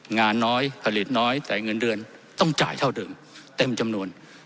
งานน้อยผลิตน้อยแต่เงินเดือนต้องจ่ายเท่าเดิมเต็มจำนวน